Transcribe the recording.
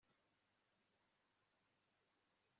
Mugihe nabwiye urukundo rwanjye mumigani